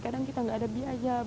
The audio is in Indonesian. kadang kita nggak ada biaya